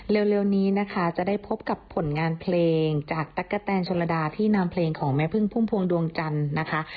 เร็วนี้นะคะจะได้พบกับผลงานเพลงจากตั๊กกะแตนชนระดาที่นำเพลงของแม่พึ่งพุ่มพวงดวงจันทร์นะคะ